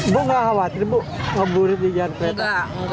bu nggak khawatir bu ngeburit di jalan kereta